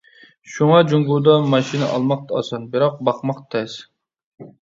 شۇڭا جۇڭگودا ماشىنا ئالماق ئاسان، بىراق باقماق تەس.